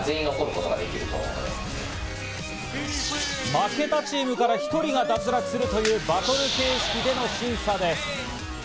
負けたチームから１人が脱落するというバトル形式での審査です。